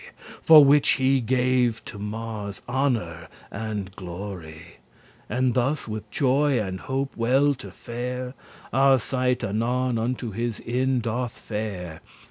For which he gave to Mars honour and glory. And thus with joy, and hope well to fare, Arcite anon unto his inn doth fare.